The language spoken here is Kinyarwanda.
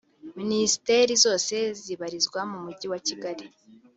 Minisiteri zose zibarizwa mu Mujyi wa Kigali